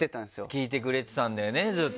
聴いてくれてたんだよねずっと。